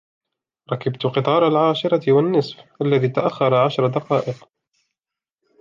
ركبت قطار العاشرة و النصف الذي تأخر عشرة دقائق.